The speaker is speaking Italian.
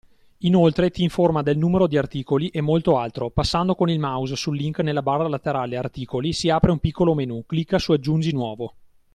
Inoltre ti informa del numero di articoli e molto altro! Passando con il mouse sul link nella barra laterale Articoli si apre un piccolo menù, clicca su Aggiungi nuovo.